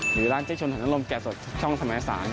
หรือร้านเจ๊ชนหัวหน้ารมแก่สดช่องสมาธิสาร